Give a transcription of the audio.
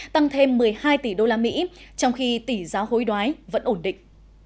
tăng thêm một mươi hai tỷ usd trong khi tỷ giá hối đoái vẫn ổn định